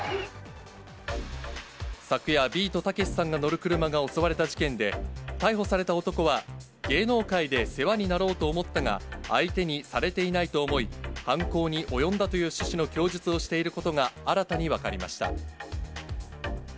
昨夜、ビートたけしさんが乗る車が襲われた事件で、逮捕された男は、芸能界で世話になろうと思ったが、相手にされていないと思い、犯行に及んだという趣旨の供述をしていることが新たに分かりました。